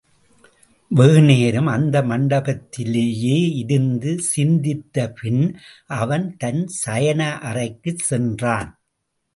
வெகு நேரம் அந்த மண்டபத்திலேயே இருந்து சிந்தித்தபின், அவன் தன் சயனஅறைக்குச் சென்றான்.